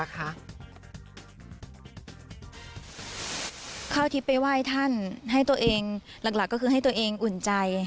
ข้าวทิพย์ไปไหว้ท่านให้ตัวเองหลักก็คือให้ตัวเองอุ่นใจ